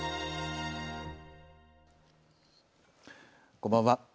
こんばんは。